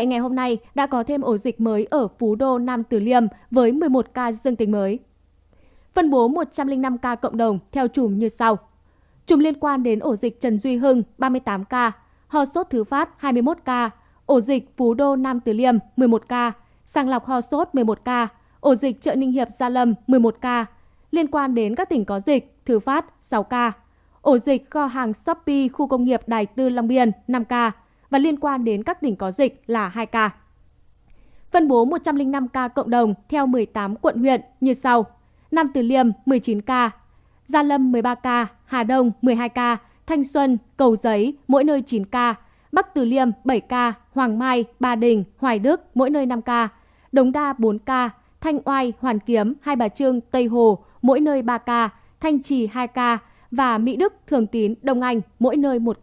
gia lâm năm mươi một ca nam tử liêm ba mươi ca hà đông hai mươi ba ca thanh xuân một mươi tám ca lòng biên một mươi sáu ca hoàng mai một mươi hai ca bắc tử liêm một mươi ca cầu giấy chín ca ba đình tám ca đống đa bảy ca quốc oai hoài đức mỗi nơi năm ca đông anh tây hồ mỗi nơi bốn ca thanh oai mê linh thanh trì trường mỹ hai bà trưng hoàn kiếm mỗi nơi ba ca thường tín mỹ đức mỗi nơi một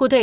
ca